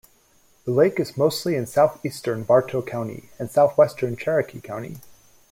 The lake is mostly in southeastern Bartow County and southwestern Cherokee County.